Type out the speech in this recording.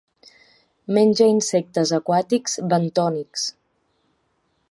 Menja insectes aquàtics bentònics.